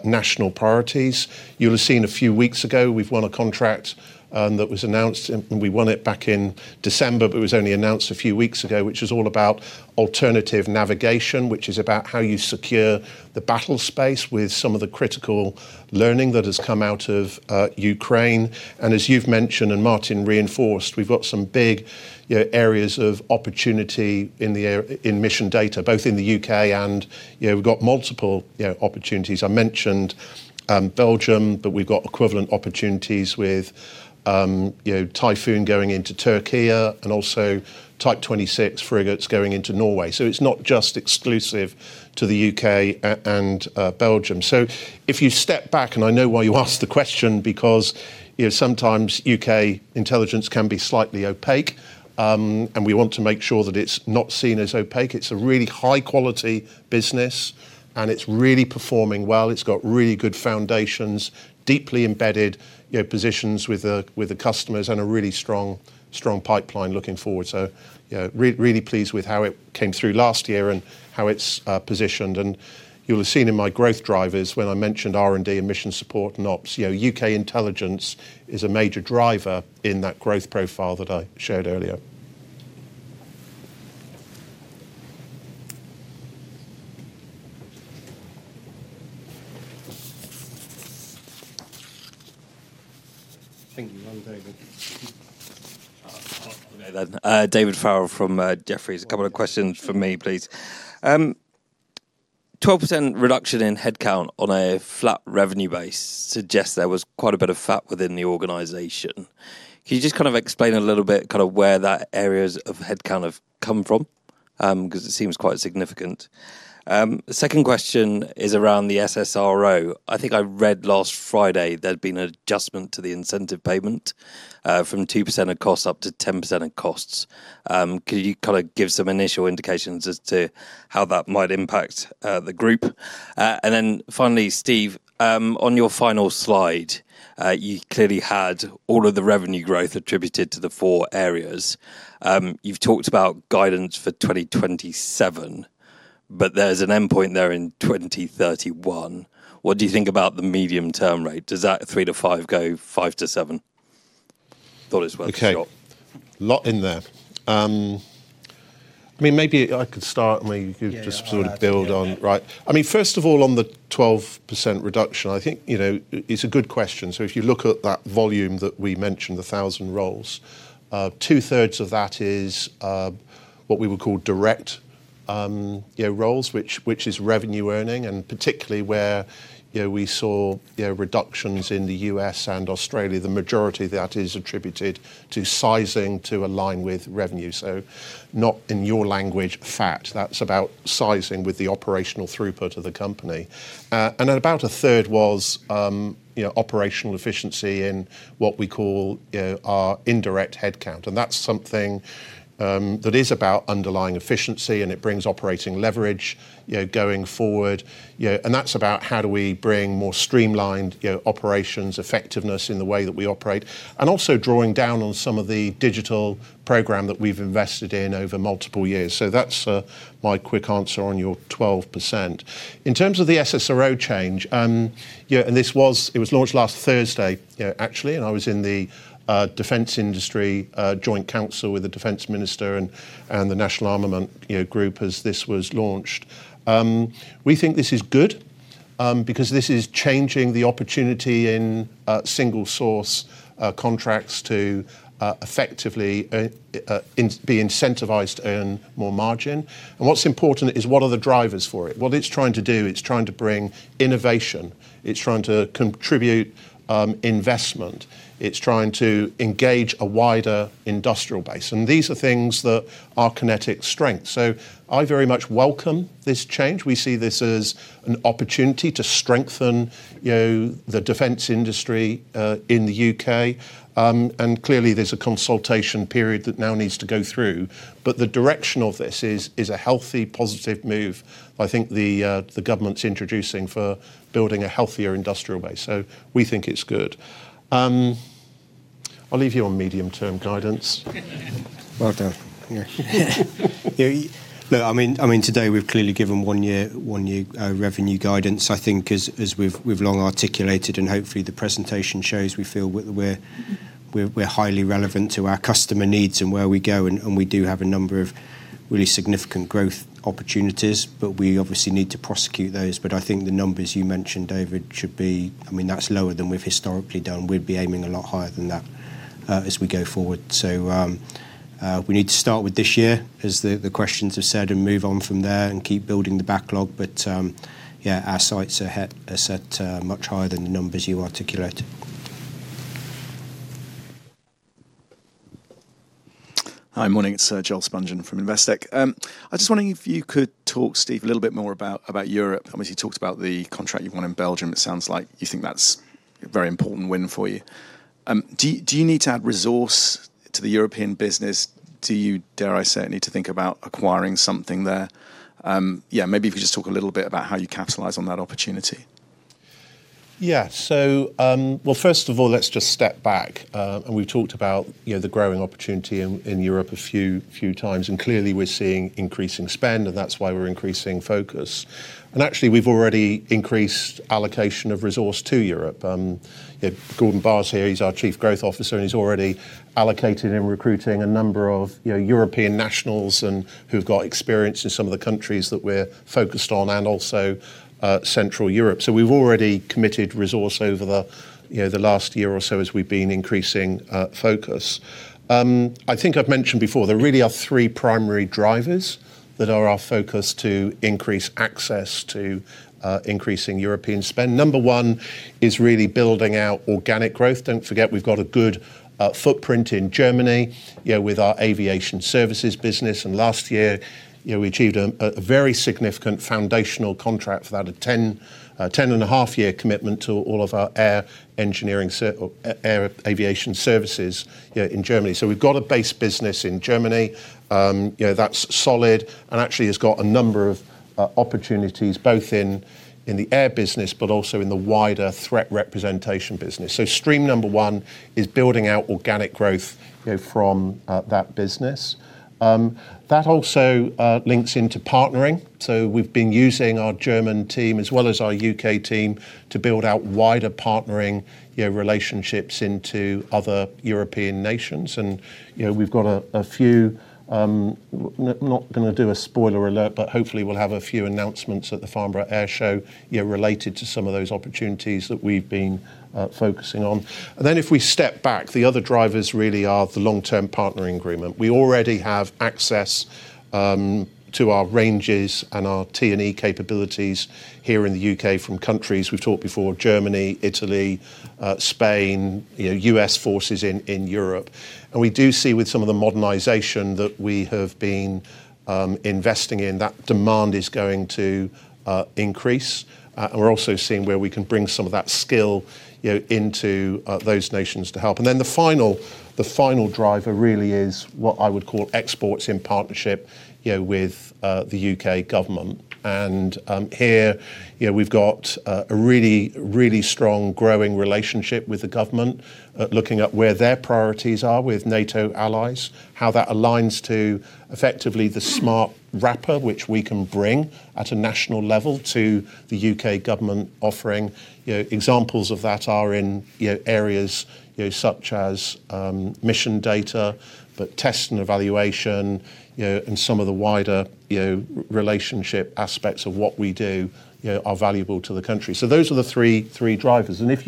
national priorities. You'll have seen a few weeks ago we've won a contract that was announced, and we won it back in December, but it was only announced a few weeks ago, which was all about alternative navigation. It is about how you secure the battle space with some of the critical learning that has come out of Ukraine. As you've mentioned, Martin reinforced, we've got some big areas of opportunity in mission data, both in the U.K. and we've got multiple opportunities. I mentioned Belgium, we've got equivalent opportunities with Typhoon going into Türkiye and also Type 26 frigates going into Norway. It's not just exclusive to the U.K. and Belgium. If you step back, and I know why you asked the question because sometimes U.K. Intelligence can be slightly opaque, and we want to make sure that it's not seen as opaque. It's a really high-quality business, and it's really performing well. It's got really good foundations, deeply embedded positions with the customers, and a really strong pipeline looking forward. Really pleased with how it came through last year and how it's positioned. You'll have seen in my growth drivers when I mentioned R&D and mission support and ops, U.K. Intelligence is a major driver in that growth profile that I showed earlier. Thank you. Well, David. Okay. David Farrell from Jefferies. A couple of questions from me, please. 12% reduction in headcount on a flat revenue base suggests there was quite a bit of fat within the organization. Can you just explain a little bit where that areas of headcount have come from? It seems quite significant. Second question is around the SSRO. I think I read last Friday there'd been an adjustment to the incentive payment from 2% of costs up to 10% of costs. Could you give some initial indications as to how that might impact the group? Finally, Steve, on your final slide, you clearly had all of the revenue growth attributed to the four areas. You've talked about guidance for 2027, there's an endpoint there in 2031. What do you think about the medium-term rate? Does that three to five go five to seven? Thought it was worth a shot. Okay. Lot in there. Maybe I could start, and maybe you just sort of build on. Yeah. First of all, on the 12% reduction, I think it's a good question. If you look at that volume that we mentioned, 1,000 roles, two-thirds of that is what we would call direct roles, which is revenue earning, and particularly where we saw reductions in the U.S. and Australia. The majority of that is attributed to sizing to align with revenue. Not, in your language, fat. That's about sizing with the operational throughput of the company. About a third was operational efficiency in what we call our indirect headcount. That's something that is about underlying efficiency, and it brings operating leverage going forward. That's about how do we bring more streamlined operations effectiveness in the way that we operate, and also drawing down on some of the digital program that we've invested in over multiple years. That's my quick answer on your 12%. In terms of the SSRO change, it was launched last Thursday, actually. I was in the defense industry joint council with the defense minister and the national armament group as this was launched. We think this is good because this is changing the opportunity in single-source contracts to effectively be incentivized to earn more margin. What's important is what are the drivers for it? What it's trying to do, it's trying to bring innovation. It's trying to contribute investment. It's trying to engage a wider industrial base. These are things that are QinetiQ's strength. I very much welcome this change. We see this as an opportunity to strengthen the defense industry in the U.K. Clearly, there's a consultation period that now needs to go through. The direction of this is a healthy, positive move I think the government's introducing for building a healthier industrial base. We think it's good. I'll leave you on medium-term guidance. Well done. Yeah. Look, today we've clearly given one-year revenue guidance. I think as we've long articulated and hopefully the presentation shows, we feel we're highly relevant to our customer needs and where we go. We do have a number of really significant growth opportunities, but we obviously need to prosecute those. I think the numbers you mentioned, David, should be. That's lower than we've historically done. We'd be aiming a lot higher than that as we go forward. We need to start with this year, as the questions have said, and move on from there and keep building the backlog. Yeah, our sights are set much higher than the numbers you articulated. Hi, morning. It's Joel Spungin from Investec. I was just wondering if you could talk, Steve, a little bit more about Europe. Obviously, you talked about the contract you've won in Belgium. It sounds like you think that's a very important win for you. Do you need to add resource to the European business? Do you, dare I say, need to think about acquiring something there? Yeah, maybe if you could just talk a little bit about how you capitalize on that opportunity. Well, first of all, let's just step back. We've talked about the growing opportunity in Europe a few times, and clearly we're seeing increasing spend, and that's why we're increasing focus. Actually, we've already increased allocation of resource to Europe. Gordon Barr's here, he's our Chief Growth Officer, and he's already allocated and recruiting a number of European nationals who've got experience in some of the countries that we're focused on and also Central Europe. We've already committed resource over the last year or so as we've been increasing focus. I think I've mentioned before, there really are three primary drivers that are our focus to increase access to increasing European spend. Number one is really building out organic growth. Don't forget, we've got a good footprint in Germany, with our aviation services business. Last year, we achieved a very significant foundational contract for that, a 10.5-year commitment to all of our air aviation services in Germany. We've got a base business in Germany that's solid and actually has got a number of opportunities, both in the air business, but also in the wider threat representation business. Stream number one is building out organic growth from that business. That also links into partnering. We've been using our German team as well as our U.K. team to build out wider partnering relationships into other European nations, and we've got a few I'm not going to do a spoiler alert, but hopefully we'll have a few announcements at the Farnborough Airshow related to some of those opportunities that we've been focusing on. If we step back, the other drivers really are the Long-Term Partnering Agreement. We already have access to our ranges and our T&E capabilities here in the U.K. from countries we've talked before, Germany, Italy, Spain, U.S. forces in Europe. We do see with some of the modernization that we have been investing in, that demand is going to increase. We're also seeing where we can bring some of that skill into those nations to help. The final driver really is what I would call exports in partnership with the U.K. government. Here we've got a really, really strong growing relationship with the government, looking at where their priorities are with NATO allies, how that aligns to effectively the smart wrapper which we can bring at a national level to the U.K. government offering. Examples of that are in areas such as mission data, the test and evaluation, and some of the wider relationship aspects of what we do are valuable to the country. Those are the three drivers. If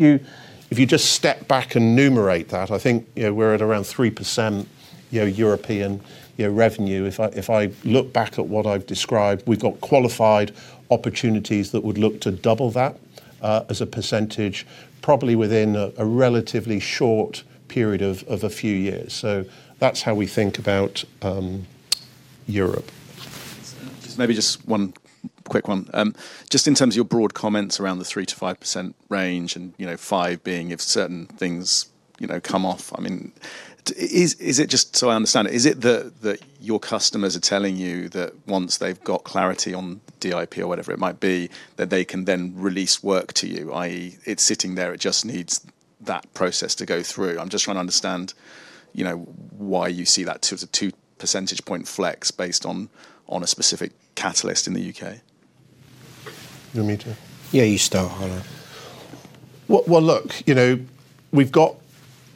you just step back and numerate that, I think we're at around 3% European revenue. If I look back at what I've described, we've got qualified opportunities that would look to double that as a percentage, probably within a relatively short period of a few years. That's how we think about Europe. Maybe just one quick one. Just in terms of your broad comments around the 3%-5% range, you know, 5% being if certain things come off, just so I understand it, is it that your customers are telling you that once they've got clarity on DIP or whatever it might be, that they can then release work to you, i.e., it's sitting there, it just needs that process to go through? I'm just trying to understand why you see that sort of 2 percentage point flex based on a specific catalyst in the U.K. You want me to? Yeah, you start. I'll add. Well, look,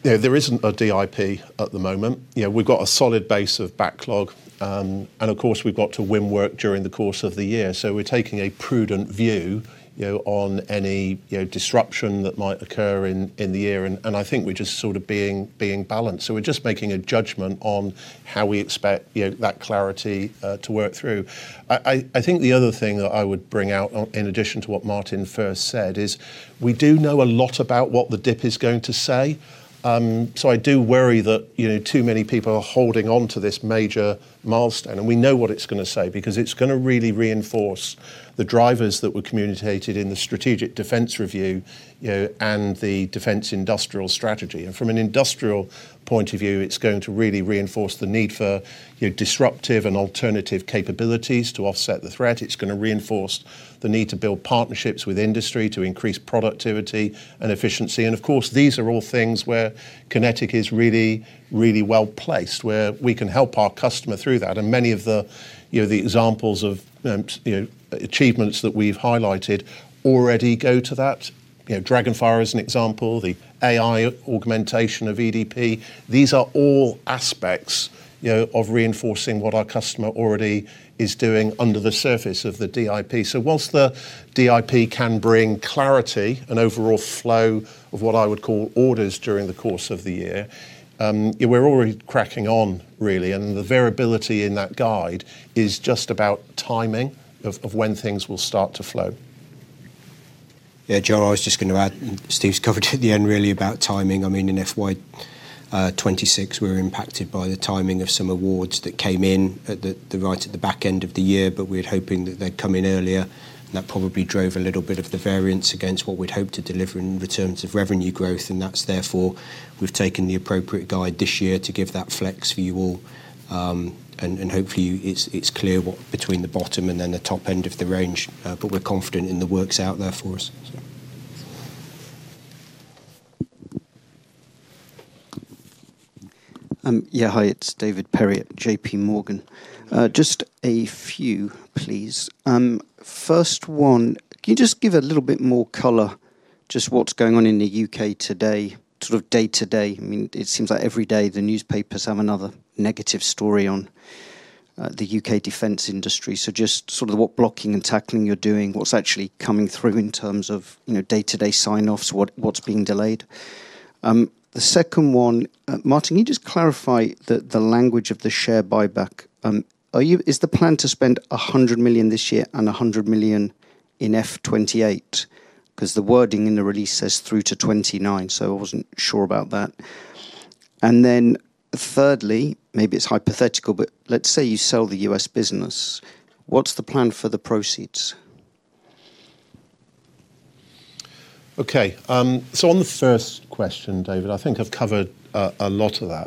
there isn't a DIP at the moment. We've got a solid base of backlog, and of course, we've got to win work during the course of the year. We're taking a prudent view on any disruption that might occur in the year, and I think we're just sort of being balanced. We're just making a judgment on how we expect that clarity to work through. I think the other thing that I would bring out, in addition to what Martin first said, is we do know a lot about what the DIP is going to say. I do worry that too many people are holding on to this major milestone, and we know what it's going to say because it's going to really reinforce the drivers that were communicated in the Strategic Defense Review and the Defense Industrial Strategy. From an industrial point of view, it's going to really reinforce the need for disruptive and alternative capabilities to offset the threat. It's going to reinforce the need to build partnerships with industry to increase productivity and efficiency. Of course, these are all things where QinetiQ is really well-placed, where we can help our customer through that. Many of the examples of achievements that we've highlighted already go to that. DragonFire as an example, the AI augmentation of EDP. These are all aspects of reinforcing what our customer already is doing under the surface of the DIP. While the DIP can bring clarity and overall flow of what I would call orders during the course of the year, we're already cracking on really, and the variability in that guide is just about timing of when things will start to flow. Joel, I was just going to add, Steve's covered it at the end really about timing. In FY 2026, we were impacted by the timing of some awards that came in right at the back end of the year. We were hoping that they'd come in earlier. That probably drove a little bit of the variance against what we'd hoped to deliver in terms of revenue growth. That's therefore we've taken the appropriate guide this year to give that flex for you all. Hopefully, it's clear what between the bottom and then the top end of the range. We're confident in the works out there for us. Hi, it's David Perry at JPMorgan. Just a few, please. First one, can you just give a little bit more color just what's going on in the U.K. today, sort of day-to-day? It seems like every day the newspapers have another negative story on the U.K. defense industry. Just sort of what blocking and tackling you're doing, what's actually coming through in terms of day-to-day sign-offs, what's being delayed. The second one, Martin, can you just clarify the language of the share buyback? Is the plan to spend 100 million this year and 100 million in FY 2028? The wording in the release says through to 2029, so I wasn't sure about that. Thirdly, maybe it's hypothetical, but let's say you sell the U.S. business. What's the plan for the proceeds? On the first question, David, I think I've covered a lot of that.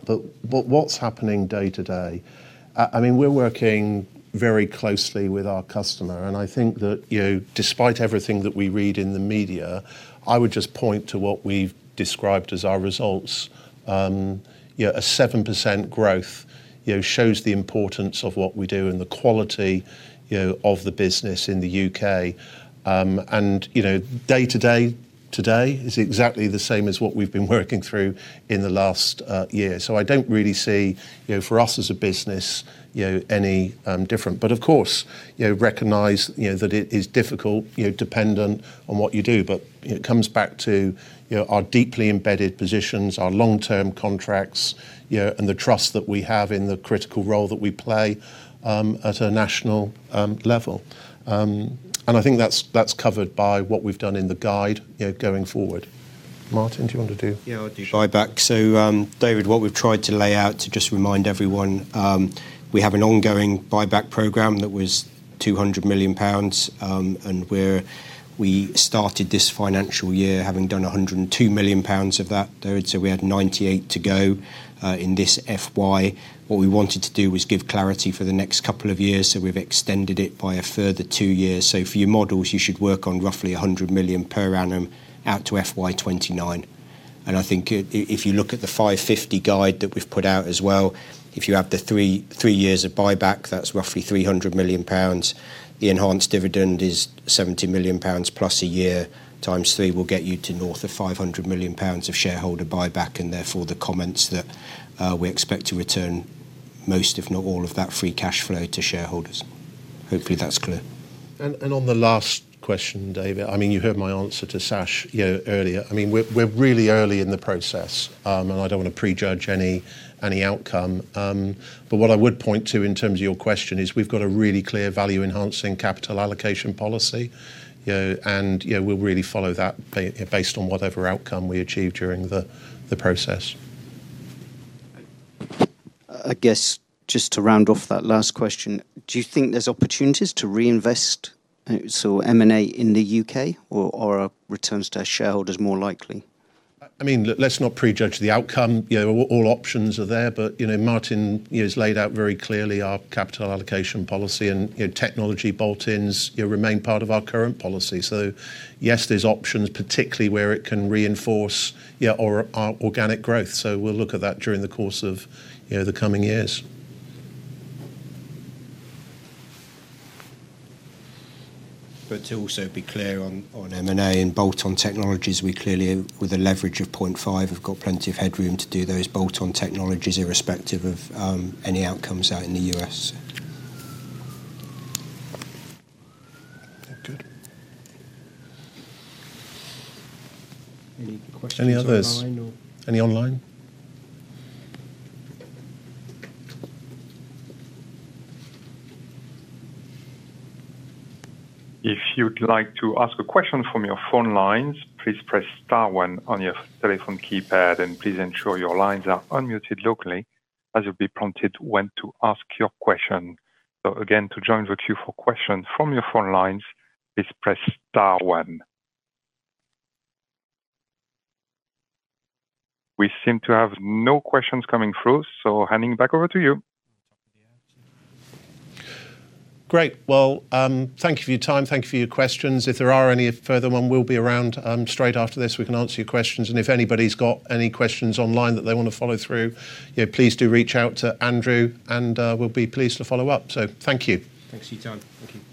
What's happening day to day, we're working very closely with our customer, and I think that despite everything that we read in the media, I would just point to what we've described as our results. A 7% growth shows the importance of what we do and the quality of the business in the U.K. Day to day, today is exactly the same as what we've been working through in the last year. I don't really see, for us as a business, any different. Of course, recognize that it is difficult dependent on what you do. It comes back to our deeply embedded positions, our long-term contracts, and the trust that we have in the critical role that we play at a national level. I think that's covered by what we've done in the guide going forward. Martin, do you want to do. I'll do buyback. David, what we've tried to lay out to just remind everyone, we have an ongoing buyback program that was 200 million pounds, and we started this financial year having done 102 million pounds of that, David, so we had 98 million to go in this FY. What we wanted to do was give clarity for the next couple of years, so we've extended it by a further two years. For your models, you should work on roughly 100 million per annum out to FY 2029. I think if you look at the 550 guide that we've put out as well, if you add the three years of buyback, that's roughly 300 million pounds. The enhanced dividend is 70 million pounds plus a year times three will get you to north of 500 million pounds of shareholder buyback. Therefore, the comments that we expect to return most, if not all of that free cash flow to shareholders. Hopefully that's clear. On the last question, David, you heard my answer to Sash earlier. We're really early in the process, and I don't want to prejudge any outcome. What I would point to in terms of your question is we've got a really clear value-enhancing capital allocation policy, and we'll really follow that based on whatever outcome we achieve during the process. I guess just to round off that last question, do you think there's opportunities to reinvest, so M&A in the U.K., or are returns to our shareholders more likely? Let's not prejudge the outcome. All options are there. Martin has laid out very clearly our capital allocation policy, and technology bolt-ins remain part of our current policy. Yes, there's options, particularly where it can reinforce our organic growth. We'll look at that during the course of the coming years. To also be clear on M&A and bolt-on technologies, we clearly, with a leverage of 0.5, have got plenty of headroom to do those bolt-on technologies irrespective of any outcomes out in the U.S. Any questions online or? Any others? Any online? If you'd like to ask a question from your phone lines, please press star one on your telephone keypad, and please ensure your lines are unmuted locally as you'll be prompted when to ask your question. So again, to join the queue for questions from your phone lines, please press star one. We seem to have no questions coming through, so handing back over to you. Great. Well, thank you for your time. Thank you for your questions. If there are any further one, we'll be around straight after this. We can answer your questions, and if anybody's got any questions online that they want to follow through, please do reach out to Andrew and we'll be pleased to follow up. Thank you. Thanks for your time. Thank you.